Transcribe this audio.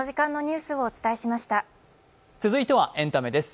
続いてはエンタメです。